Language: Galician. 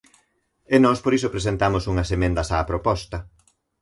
E nós por iso presentamos unhas emendas á proposta.